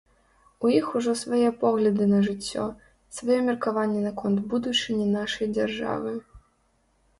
У іх ужо свае погляды на жыццё, сваё меркаванне наконт будучыні нашай дзяржавы.